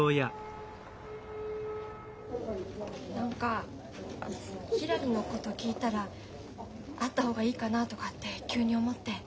何かひらりのこと聞いたら会った方がいいかなとかって急に思って。